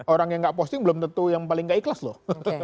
orang yang gak posting belum tentu yang paling gak ikhlas loh